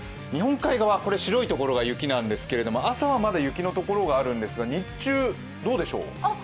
日本海側、白いところが雪なんですけれども朝はまだ雪のところがあるんですが日中、どうでしょう。